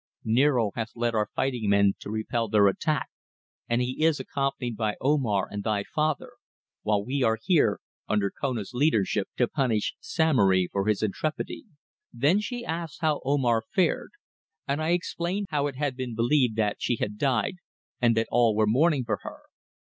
Niaro hath led our fighting men to repel their attack, and he is accompanied by Omar and thy father, while we are here, under Kona's leadership, to punish Samory for his intrepidity." Then she asked how Omar fared, and I explained how it had been believed that she had died, and that all were mourning for her.